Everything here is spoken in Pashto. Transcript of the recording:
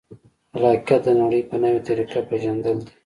خلاقیت د نړۍ په نوې طریقه پېژندل دي.